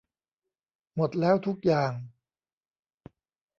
หมดแล้วทุกอย่าง